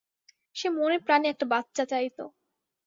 সে মনেপ্রাণে একটা বাচ্চা চাইতো।